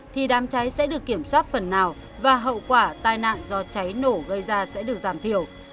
thì đám cháy sẽ được kiểm soát phần nào và hậu quả tai nạn do cháy nổ gây ra sẽ được giảm thiểu